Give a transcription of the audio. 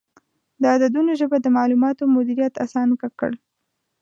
د عددونو ژبه د معلوماتو مدیریت اسانه کړ.